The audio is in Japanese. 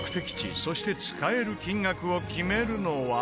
そして使える金額を決めるのは。